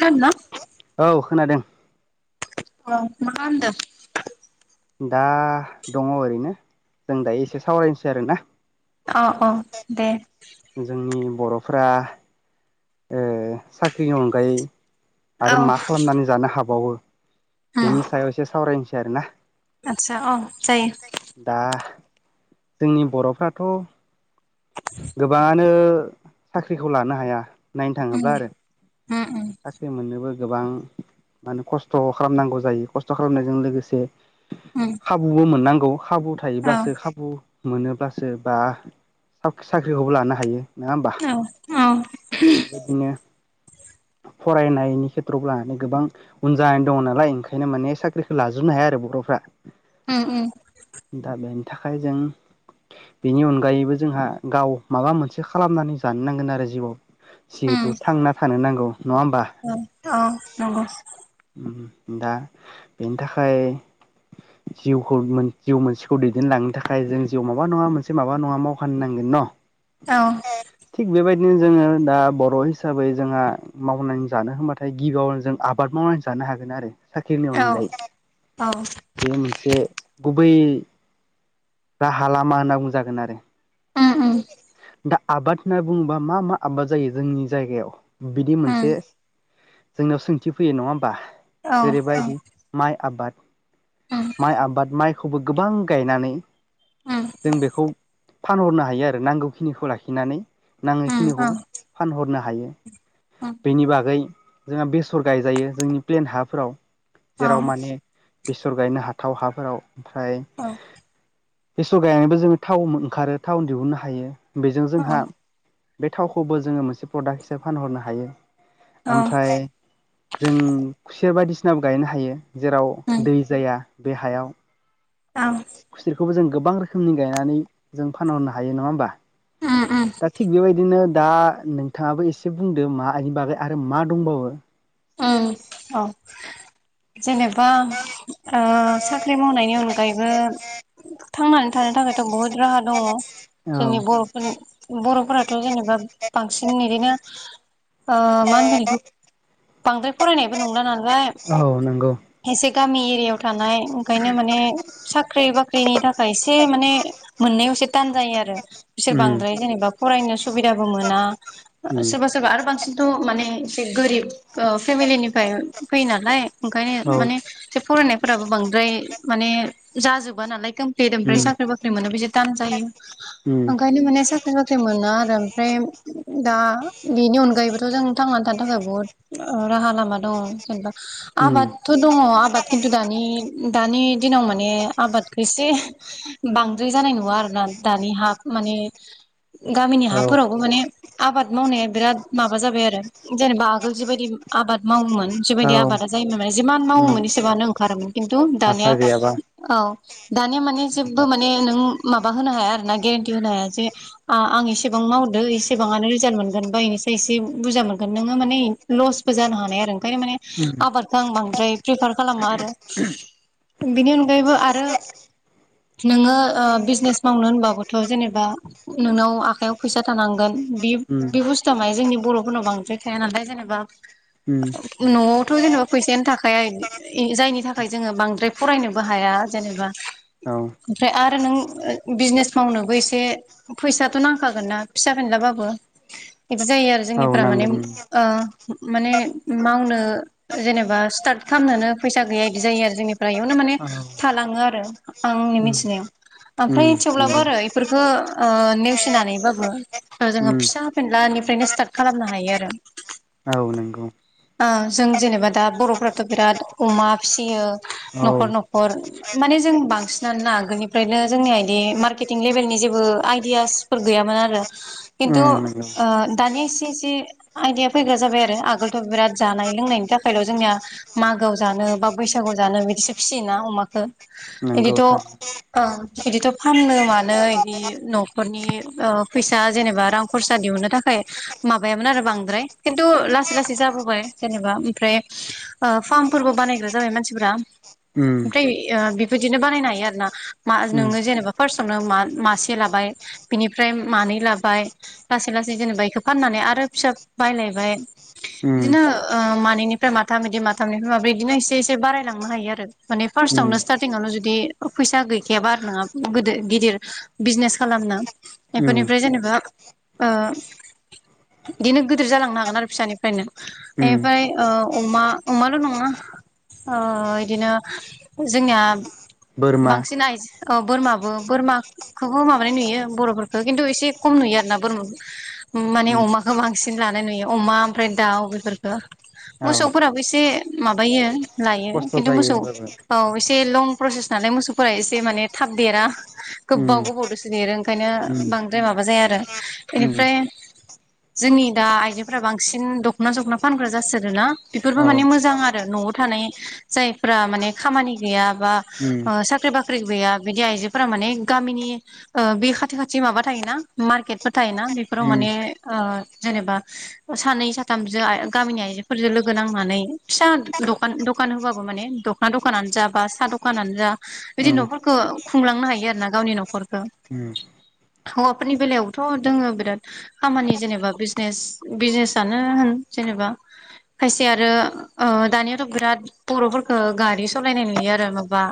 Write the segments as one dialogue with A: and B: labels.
A: खोनादोना?
B: औ खोनादों।
A: अ माखामदों?
B: दा दङ' ओरैनो जों दायो एसे सावरायनोसै आरोना?
A: औ-औ दे।
B: जोंनि बर'फोरा ओ साख्रिनि अनगायै।
A: औ
B: आरो मा खालामनानै जानो हाबावो? बेनि सायाव एसे सावरायनोसै आरोना?
A: आतसा औ जायो।
B: दा जोंनि बर'फ्राथ'। गोबाङानो साख्रिखौ लानो हाया नायनो
A: उम
B: थाङोब्ला आरो।
A: उम उम
B: साख्रि मोननोबो गोबां। माने खस्थ खालामनांगौ जायो खस्थ खालामनायजों लोगोसे
A: उम
B: खाबुबो मोननांगौ। खाबु
A: औ
B: थायोब्लासो खाबु मोनोब्लासो बा। साख्रिखौबो लानो हायो नङा होमबा?
A: औ औ
B: बिदिनो।
A: [inaudible]
B: फरायनायनि खेत्र'आवबो माने गोबां उन जानानै दङ नालाय ओंखायनो माने साख्रिखौ लाजोबनो हाया आरो। गथ'फ्रा।
A: ओम-ओम।
B: दा बेनि थाखाय जों बेनि अनगायैबो जोंहा। गाव माबा मोनसे खालामनानै जानो नांगोन आरो जिउआव जिहेतु
A: उम
B: थांना थानो नांगौ। नङा होमबा
A: औ नांगौ
B: दा बेनि थाखाय जिउखौ जिउ मोनसेखौ दैदेनलांनो थाखाय जों जिउ माबा नङा मोनसे माबा नङा मावखानो नांगोन न
A: औ
B: थिक बेबायदि बिदिनो जोङो दा बर' हिसाबै जोंहा मावनानै जानो होनबाथाय गिबियावनो जों आबाद मावनानै जानो हागोन आरो साख्रिनि
A: औ
B: अनगायै बेयो मोनसे गुबै राहा लामा होनना बुंजागोन आरो
A: उम- उम
B: दा आबाद होनना बुङोबा मा मा आबाद जायो जोंनि जायगायाव बिदि
A: उम
B: मोनसे? जोंनाव सोंथि फैयो नङा होमबा?
A: औ
B: जेरैबायदि माइ आबाद
A: उम
B: माइ आबाद माइखौबो गोबां गायनानै
A: उम उम
B: जों बेखौ फानहरनो हायो हायो आरो नांगौखिनिखौ लाखिनानै नाङैखिनिखौ
A: औ
B: फानहरनो हायो।
A: उम
B: बेनि बागै जोंहा बेसर गायजायो जोंनि प्लेन हाफोराव जेराव
A: औ
B: माने बेसर गायनो हाथाव हाफोराव ओमफ्राय
A: औ
B: बेसर गायनानैबो जोङो थाव ओंखारो थाव दिहुननो हायो बेजों जोंहा बे थावखौबो जोङो मोनसे प्रडाक्ट हिसाबै फानहरनो हायो।
A: उम
B: ओमफ्राय जों बायदिसिनाबो गायनो हायो जेराव
A: औ
B: दै जाया बे हायाव
A: उम
B: खुसेरखौबो जों गोबां रोखोमनि गायनानै जों फानहरनो हायो नङा होमबा?
A: उम
B: दा थिक बेबाय बिदिनो दा नोंथाङाबो एसे बुंदो मा इनि बागै आरो मा दंबावो
A: उम औ जेनेबा ओ साख्रि मावनायनि अनगायैबो थांनानै थानो थाखायथ बहुद राहा दङ
B: औ
A: जोंनि बरफोरनि बर'फोराथ जेनेबा बांसिन बिदिनो ओ मा होनगोन इखौ बांद्राय फरायनायबो नंला नालाय
B: औ नंगौ
A: एसे गामि एरियायाव थानाय ओंखायनो माने साख्रि - बाख्रि फ्रिनि थाखाय एसे माने मोननायाव एसे तान जायो आरो बिसोर
B: उम
A: बांद्राय जेनेबा फरायनो सुबिदाबो मोना
B: उम
A: सोरबा सोरबा आरो बांसिनथ माने एसे गोरिब ओ फेमिलिनिफ्राय फैयोनालाय ओंखायनो
B: औ
A: माने फरायनायफोराबो बांद्राय माने जाजोबा नालाय ओमफ्राय
B: उम
A: साख्रि-बाख्रि मोनो बिदि तान जायो।
B: उम
A: ओंखायनो माने साख्रि - बाख्रि मोनाआरो ओमफ्राय दा बेनि अनगायैबोथ जों थांनानै थानो थाखाय बहुद राहा लामा दङ जेनबा
B: उम
A: आबादथ' दङ आबाद किन्तु दानि दानि दिनाव माने आबादखौ एसे बांद्राय जानाय नुवा आरोना दानि हा माने गामिनि
B: औ
A: हाफोरावबो माने आबाद मावनाया बिराद माबा जाबाय आरो जेनेबा जिबायदि आबाद मावोमोन
B: औ
A: जिबायदि आबादा जायोमोन माने जिमान
B: उम
A: मावोमोन एसेबांनो ओंखारोमोन किन्तु दानिया
B: हासार गैयाबा
A: औ दानिया माने जेबबो माने नों माबा होनो हाया आरो ना गेरेन्टि होनो हाया जे आं आं इसेबां मावदो इसेबाङानो रिजाल्ट मोनगोन बा एसे बुरजा मोनगोन नोङो माने लसबो जानो हानाय आरो ओंखायनो माने
B: उम
A: आबादखौ आं बांद्राय प्रिफार खालामा आरो। बेनि अनगायैबो आरो नोङो ओ बिजनेस मावनो होनबाबोथ जेनेबा नोंनाव आखायाव फैसा थानांगोन बे
B: उम
A: बे बुस्थुवा माने जोंनि बर'फोरनाव बांद्राय थाया नालाय जेनेबा
B: उम
A: न'आव थ' जेनेबा फैसायानो थाखाय जायनि थाखाय जोङो बांद्राय फरायनोबो हाया जेनेबा
B: औ
A: ओमफ्राय आरो नों बिजनेस मावनोबो एसे फैसाथ' नांखागोन ना फिसा फेनलाबाबो। बिदि जायो आरो
B: औ
A: जोंनिफोरा माने
B: नांगोन
A: ओ माने मावनो जेनेबा स्टार्ट खालामनोनो फैसा गैया इदि जायोआरो जोंनिफ्रा इयावनो माने
B: औ
A: थालांङोआरो आंनि
B: उम
A: मिथिनायाव
B: उम
A: ओमफ्राय
B: नंगौ
A: थेवब्लाबोआरो इफोरखौ नेवसिनानैबाबो जोंङो
B: उम
A: फिसा फेनलानिफ्रायनो स्टार्ट खालामनो हायोआरो।
B: औ नंगौ।
A: ओं जों जेनेबा दा बरफ्राथ बिराद अमा फिसियो
B: औ
A: नखर नखर माने जों बांसिनानो ना आगोलनिफ्रायनो जोंनिया इदि मार्केटिं लेबेलनि जेबो आइदियासफोर गैयामोन खिनतु
B: उम नंगौ
A: ओ दानिया इसे इसे आइदिया फैग्रा जाबाय आरो आगोलथ बिराद जानाय लोंनायनि थाखायल जोंनिया मागोआव जानो बा बैसागु जानो बिदि बिसो फिसियोना अमाखौ
B: नंगौ
A: बिदिथ ओ
B: थार
A: बिदिथ फाननो मानो बिदि नखरनि फैसा जेनेबा रां खरसा दिहुनो थाखाय माबायामोन आरो बांद्राय। खिन्थु लासै लासै जाबोबाय जेनेबा ओमफ्राय फार्मफोरबो बानायग्रा जाबाय मानसिफ्रा।
B: उम
A: ओमफ्राय बिफोरदिनो बानायनो हायो आरो ना मा
B: उम
A: नोंङो जेनेबा फार्स। नो मासे लाबाय बिनिफ्राय मानै लाबाय लासै लासै जेनेबा बेखौ फाननानै आरो आरो फिसा बायलायबाय
B: उम
A: बिदिनो ओ मानैनिफ्राय माथाम बिदि माथामनिफ्राय माब्रै बिदिनो एसे एसे बारायलां नो हायो आरो मान
B: उम
A: फार्सआवनो स्टार्टिंआवनो जुदि फैसा गैखायाबा आरो नंङा गोदो गिदिर बिजनेस खालामनो
B: उम
A: बेफोरनिफ्राय जेनेबा ओ बिदिनो गिदिर जालांनो हागोन आरो फिसानिफ्रायनो
B: उम
A: बेनिफ्राय अमा अमाल नङा। ओ इदिनो जोंनिया।
B: बोरमा
A: औव बोरमाबो बोरमाखौबो माबानाय नुयो बरफोरखौ खिन्थु एसे खम नुयो आरो ना बोरमा माने
B: उम
A: अमाखौ‌ बां सिन लानाय नुयो अमा ओमफ्राय दाउ बेफोरफोरखौ
B: औ
A: मोसौफोराबो एसे माबायो लायो
B: खस्थ'
A: खिन्थु
B: जायो
A: मोसौ
B: होमबाबो
A: औव एसे लं प्रसेस नालाय मोसौफोरा एसे माने थाब देरा। गोबाव
B: उम
A: गोबाव दसो देरो ओंखायनो
B: उम
A: बांद्राय माबा जाया आरो
B: उम
A: बेनिफ्राय जोंनि दा आइजोफोरा बांसिन दखना सखना फानग्रा जासोदोंना बेफोरबो
B: औ उम
A: माने मोजां आरो नआव थानाय जाय फोरा माने खामानि गैया बा
B: उम
A: ओ साख्रि बाख्रि ब्रि गैया बिदि आइजोफोरा माने गामिनि ओ बे खाथि खाथि माबा थायोना मार्केटफोर थायोना बेफोराव
B: उम
A: माने ओ जेनेबा सानै साथामजो गामिनि आइजोफोरजों लोगो नांनानै फिसा दखाना दखान होबाबो माने दखना दखानानो जा बा साह दखानानो जा बिदि
B: उम
A: नफोरखौ खुंलांनो हायो आरो ना गावनि नखरखौ।
B: उम
A: हौवाफोरनि बेलायावथ दोंङो बिराद खामानि जेनेबा बिजनेस बिजनेस आनो होन जेनेबा खायसे आरो ओ दानियाथ बिराद बरफोरफोरखौ गारि सालायनाय नुयो आरो माबा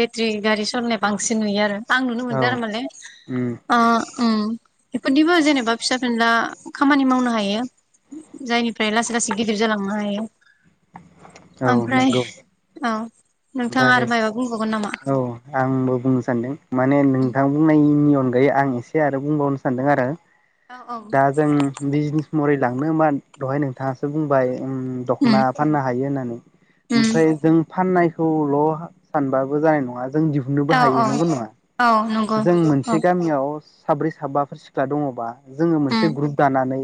A: बेटारि गारि सालनाय बांसिन नुयो आरो आं नुनो
B: औ
A: मोनदों आरोमाने
B: उम
A: अ उम एफोरदिबो जेनेबा फिसा फिला खामानि मावनो हायो जायनिफ्राय लासै लासै गिदिर जालांनो हायो।
B: औ
A: ओमफ्राय
B: नंगौ
A: औ नोंथाङा
B: ओमफ्राय
A: आरो मायबा बुंबावगोन नामा।
B: औ आंबो बुंनो सानदों माने नोंथां बुंनायनि अनगायै आं एसे आरो बुंबावनो सानदों आरो
A: औ औ
B: दा जों बिजनेस मरै लांनो मा दहाय नोंथाङासो बुंबाय। ओम
A: उम
B: दखना फाननो हायो होननानै
A: उम
B: ओमफ्राय जों फाननाय ल सानबाबो जानाय नंङा जों दिहुननो
A: औ
B: हायो
A: औ
B: नंगौ नंङा
A: औ नंगौ
B: जों
A: औ
B: मोनसे गामियाव साब्रै साबाफोर सिख्ला दंङबा जोंङो
A: उम
B: मोनसे ग्रुप दानानै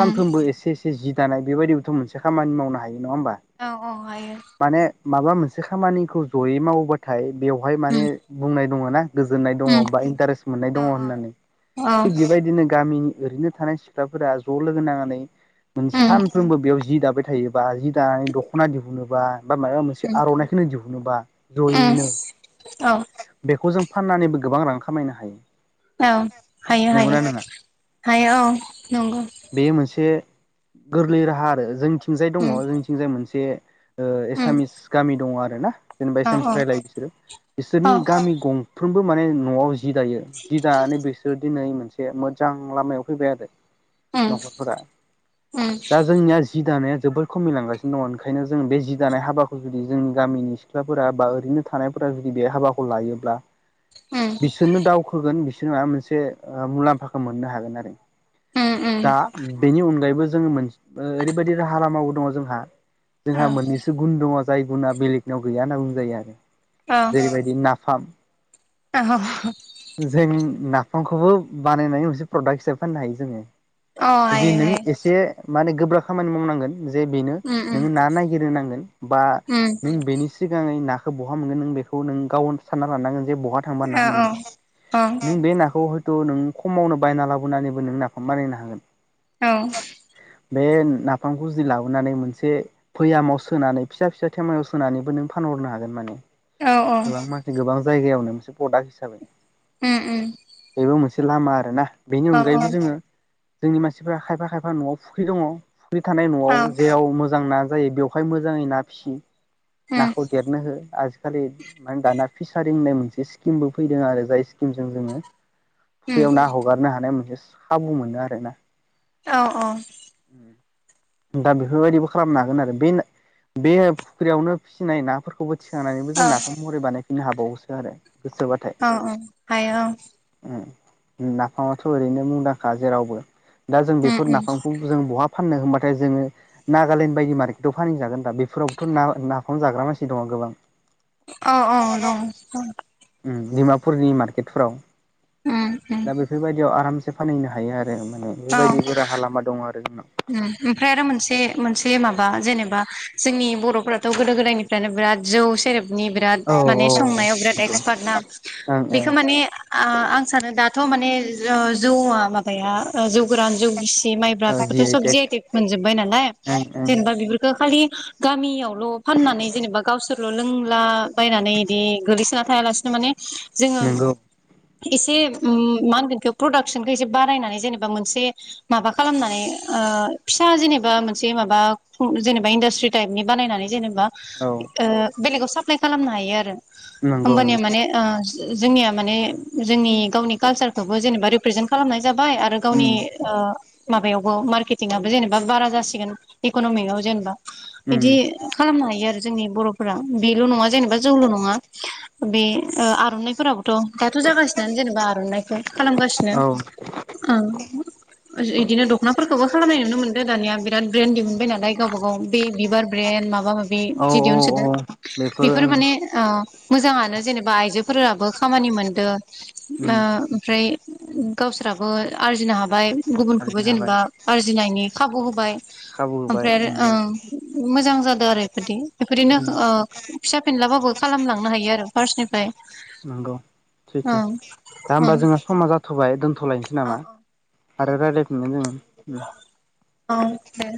A: उम
B: एसे एसे जि दानाय बेबायदिबोथ मोनसे खामानि मावनो हायो। नङा होमबा
A: औव औव हायो।
B: माने माबा मोनसे खामानिखौ जयै मावोबाथाय बेवहाय माने बुंनाय दङ ना। गोजोननाय दङ
A: उम
B: बा इन्टारेस्ट मोननाय
A: औ
B: दङ होननानै
A: औ
B: थिग बेबायदिनो गामिनि ओरैनो थानाय सिख्लाफोरा ज' लोगो नांनानै मोन
A: उम
B: सानफ्रोमबो बेयाव जि दाब बाय थायोबा जि दानानै दख'ना दिहुनोबा बा माबा मोनसे
A: उम
B: आर'नाइखौनो दिहुनोबा
A: उम
B: जयैनो
A: औ
B: बेखौ जों फाननानैबो गोबां रां खामायनो हायो।
A: औव हायो हायो
B: नंगौना नङा
A: हायो औव नंगौ।
B: बेयो मोनसे गोरलै राहा आरो जोंनिथिंजाय दङ
A: उम
B: जोंनिथिंजाय मोनसे
A: उम
B: एसामिस गामि दङ आरोना जेनेबा
A: औ
B: एसामिस
A: औ
B: रायलायो बिसोरो बिसोरनि
A: औ
B: गामि गं फ्रोमबो माने न'आव जि दायो जि दानानै बिसोरो दिनै मोनसे मोजां लामायाव फैबाय आरो।
A: उम
B: न'खरफोरा
A: उम
B: दा जोंनिया जि दानाया जोबोर खमिलांगासिनो दङ ओंखायनो जोंङो बे जि दानाय हाबाखौ जुदि जोंनि गामिनि सिख्लाफोरा बा ओरैनो। थानायफोरा जुदि बे हाबाखौ लायोब्ला
A: उम
B: बिसोरनो दावखोगोन बिसोर जोंहा मोनसे मुलाम्फाखौ मोननो हागोन आरो
A: उम उम
B: दा बेनि अनगायैबो। जों ओरैबायाददि राहालाम दंङ जोंहा
A: औ
B: जोंहा मोननैसो गुन दंङ। जाय गुना बेलेगनियाव गैया होनना बुंजायो आरो।
A: औ
B: जेरैबायदि नाफाम। जों
A: [unintelligible]
B: नाफामखौबो बानायनानै मोनसे प्रडाक्ट हिसाबै फाननो हायो जोङो जुदि
A: हायो
B: नों
A: हायो
B: एसे माने गोब्राब खामानि मावनांगोन जे बेनो
A: उम उम
B: नोङो ना नायागिरनो नांगोन बा
A: उम
B: नों बेनि सिगाङै नाखौ बहा मोनगोन नों बेखौ नों गाव सानना लानांगोन। बहा थांबा ना
A: औ औ
B: मोनोन नों बे नाखौ थ' नों खमावनो बायना लाबोनानैबो नों नाफाम बानायनो हागोन।
A: औ।
B: बे नाफामखौ जि लाबोनानै मोनसे फैयामाव सोनानै फिसा फिसा थेमायाव सोनानैबो नों फानहर हरनो हागोन माने
A: औ
B: गोबां मानसि गोबां जायगायावनो मोनसे प्रडाक हिसाबै
A: उम उम।
B: बे मोनसे लामा आरो ना बेनि
A: औ उम औ
B: अनगायैबो जोङो जोंनि मानसिफ्रा खायफा खायफा न'आव फुख्रि दङ फुख्रि थानाय न'आव जेराव मोजां ना। जायो बेवहाय मोजाङै ना फिसियो नाखौ देरनो हो आजिखालि। माने दाना फिसारि होननाय मोनसे स्किमबो फैदों आरो जाय स्किमजों जोङो फुख्रियाव ना हगारनो हानाय मोनसे खाबु मोनो आरोना।
A: औ अ।
B: दा बेफोरबायदिबो खालामनो हागोन आरो बे बे फुख्रियावनो फिसिनाय नाफोरखौबो। थिखांनानैबो जों नाफाम महरै बानायफिनो हाबावोसो आरो। गोसोबाथाय।
A: औ हायो औ
B: नाफामाथ' ओरैनो मुंदांखा जेरावबो दा। जों
A: उम
B: बेफोर
A: उम
B: नाफामखौ जों बहा फाननो होनबा। थाय जोङो नागालेण्ड बायदि मार्केटाव फानहजागोन दा बेफोरावबोथ' ना नाफाम जाग्रा मानसि दङ गोबां।
A: अ औ र
B: उम डिमापुरनि मार्केटफोराव
A: उम उम
B: दा बेफोरबायदियाव आरामसे फानहैनो हायो आरो। आरो माने बेबायदि राहा लामा दं आरो।
A: उम ओमफ्राय आरो मोनसे मोनसे माबा जेनेबा जोंनि बर'फोराथ' गोदो गोदायनिफ्रायानो बिराद जौ सेरेब बिराद
B: औ
A: माने
B: औ
A: संनायाव बिर
B: औ
A: एक्सपार्ट ना बेखौ
B: नंगौ ओं
A: माने आं सानो दाथ' माने जौ आ माबाया जौ गोरान जौ गिसि माइब्रा थ' सब जि आइ टेक मोनजोबबाय नालाय
B: ओं ओं
A: जेनेबा बेफोरखौ खालि गामियावल' फाननानै जेनबा बा गावसोरल' लोंलाबायनानै बिदि गोलैसोना थायालासिनो माने जोङो
B: नंगौ
A: इसे ओम मा होनगोन? प्रदाक्सनखौ एसे बारायनानै जेनेबा मोनसे माबा खालामनानै। ओ-फिसा जेनेबा मोनसे माबा जेनेबा इन्डास्ट्रि टाइपनि बानायनानै जेनेब बा
B: औ
A: ओ-बेलेट आव साप्लाय खालामनो हायो आरो
B: नंगौ
A: ओमबानिया
B: नंगौ
A: मानि ओ। जोंनिया माने जोंनि गावनि कालसारखौबो जेनेबा रिप्रेजेन्ट खालामनाय। जाबाय आरो गावनि
B: उम
A: ओ-माबायावबो मार मार्केटिंआबो जेनेबा बारा जासिगोन इक'नमिकआव जेनेबा।
B: उम
A: बिदि खालामनो हायो आरो जोंनि बर'फोरा बेल' नङा जेनेबा जौल' नङा। बे ओ- आर'नाइफोराबो। दाथ' जागासिनो जेनेबा आर'नानायखौ खालामगासिनो।
B: औ
A: इदिनो दख'ना फोर खौबो खालामनाय नुनो मोनदों दानिया बिराद ब्रेन्ड दिहुनबाय नालाय गावबा गाव बे बिबार ब्रेन्दड माबा माबि। बे
B: औ
A: जि दिहुन सोदो
B: औ
A: बेफोर
B: ओं
A: माने ओ। मोजाङानो जेनेबा आइजोफोराबो खामानि मोनदों ओ
B: ओम
A: ओमफ्राय। गावसोराबो आरजिनो हाबाय गुबुनखौबो
B: थारैनो हाबाय
A: जेनेबा आरजिनायनि खाबु होबाय।
B: खाबु होबाय
A: ओमफ्राय आरो
B: उम
A: ओं मोजां। जादों आरो बेफोरदि बेफोरदिनो
B: उम
A: फिसा फिनलाबाबो खालामलांनो हायो आरो फार्स्टनिफ्राय।
B: नंगौ सैथो।
A: ओं
B: दा
A: ओं
B: होमबा जोंहा समा जाथ'बाय दोनथ दथ'लायनोसै नामा? आरो रायज्लायफिनगोन जोङो। ओम।
A: औ दे।